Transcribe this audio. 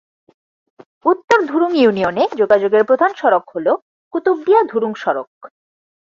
উত্তর ধুরুং ইউনিয়নে যোগাযোগের প্রধান সড়ক হল কুতুবদিয়া-ধুরুং সড়ক।